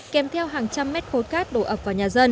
kèm theo hàng trăm mét khối cát đổ ập vào nhà dân